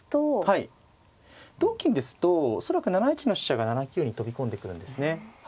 はい同金ですと恐らく７一の飛車が７九に飛び込んでくるんですね。